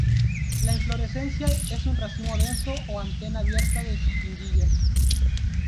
La inflorescencia es un racimo denso o antena abierta de espiguillas.